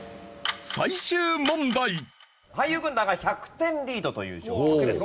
俳優軍団が１００点リードという状況です。